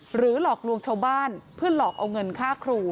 หลอกลวงชาวบ้านเพื่อหลอกเอาเงินค่าครู